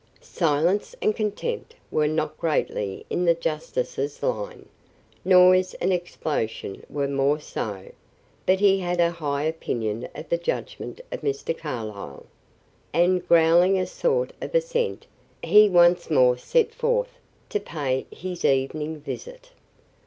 Silence and contempt were not greatly in the justice's line; noise and explosion were more so. But he had a high opinion of the judgment of Mr. Carlyle; and growling a sort of assent, he once more set forth to pay his evening visit.